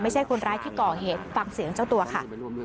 ไม่ใช่คนร้ายที่ก่อเหตุฟังเสียงเจ้าตัวค่ะ